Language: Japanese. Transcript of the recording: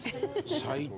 最低。